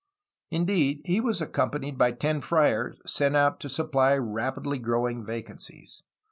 Indeed, he was accompanied by ten friars, sent out to supply rapidly growing vacancies.